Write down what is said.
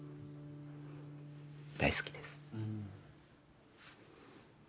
大好きです。